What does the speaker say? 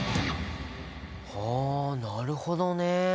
はなるほどね。